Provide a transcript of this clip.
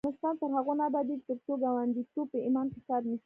افغانستان تر هغو نه ابادیږي، ترڅو ګاونډیتوب په ایمان کې حساب نشي.